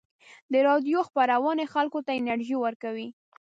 د راډیو خپرونې خلکو ته انرژي ورکوي.